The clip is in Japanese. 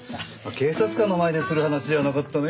警察官の前でする話じゃなかったねえ。